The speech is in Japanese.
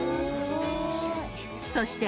［そして］